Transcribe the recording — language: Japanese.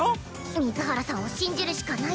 ⁉水原さんを信じるしかないっス。